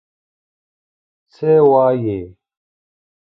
څه وايې؟